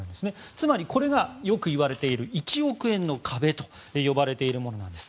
つまりこれがよくいわれている１億円の壁と呼ばれているものなんです。